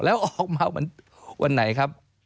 แล้วออกมาวันไหนครับ